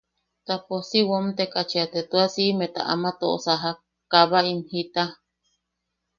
Ta pos si womteka chea te tua siʼimeta ama toʼosakak, kabaim jita.